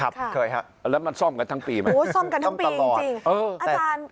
ครับเคยครับแล้วมันซ่อมกันทั้งปีไหมซ่อมกันทั้งปีจริง